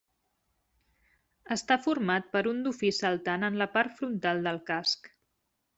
Està format per un dofí saltant en la part frontal del casc.